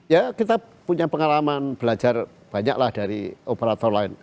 ya kita punya pengalaman belajar banyak lah dari operator lain